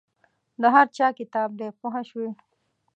د هر چا کتاب دی پوه شوې!.